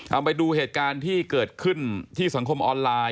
เอาไปดูเหตุการณ์ที่เกิดขึ้นที่สังคมออนไลน์